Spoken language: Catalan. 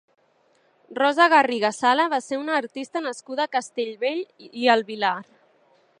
Rosa Garriga Sala va ser una artista nascuda a Castellbell i el Vilar.